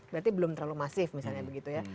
berarti belum terlalu masif misalnya begitu ya